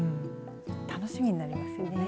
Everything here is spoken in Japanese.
楽しみになりますよね。